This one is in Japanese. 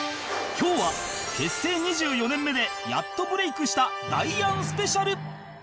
今日は結成２４年目でやっとブレイクしたダイアンスペシャル！